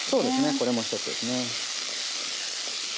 これも一つですね。